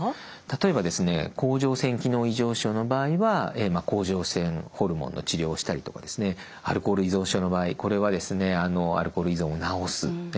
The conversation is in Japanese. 例えば甲状腺機能異常症の場合は甲状腺ホルモンの治療をしたりとかアルコール依存症の場合これはアルコール依存を治す